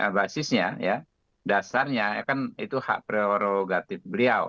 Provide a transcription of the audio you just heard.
karena basisnya dasarnya itu hak prerogatif beliau